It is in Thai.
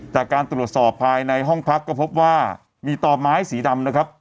จากการตรวจสอบภายในห้องพักก็พบว่ามีต่อไม้สีดำนะครับ